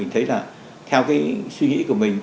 theo suy nghĩ của mình